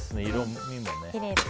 色味もね。